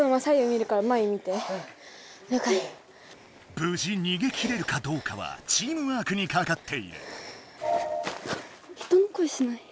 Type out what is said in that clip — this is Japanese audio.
ぶじ逃げ切れるかどうかはチームワークにかかっている。